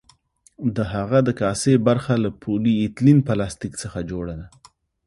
د هغه د کاسې برخه له پولي ایتلین پلاستیک څخه جوړه کړه.